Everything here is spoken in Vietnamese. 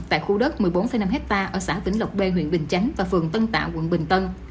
tại khu đất một mươi bốn năm hectare ở xã vĩnh lộc b huyện bình chánh và phường tân tạ quận bình tân